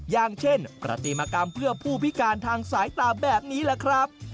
อย่างเช่นประติมากรรมเพื่อผู้พิการทางสายตาแบบนี้แหละครับ